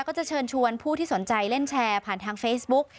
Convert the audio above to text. ก็จะเชิญชวนผู้ที่สนใจเล่นแชร์ผ่านทางเฟซบุ๊ก